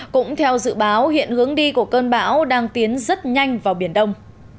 cũng theo dự báo hiện hướng đi của cơn bão đang tiến rất nhanh vào biển đông